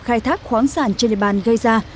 khai thác khoáng sản trên địa bàn gây ra